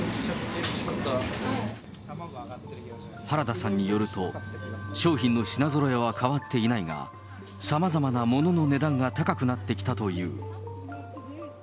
原田さんによると、商品の品ぞろえは変わっていないが、さまざまなものの値段が高くなってきたという。